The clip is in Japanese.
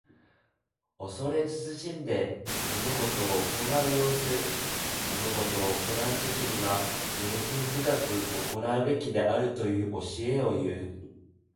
恐れ慎んで物事を行う様子。物事を行うときには、用心深く行うべきであるという教えをいう。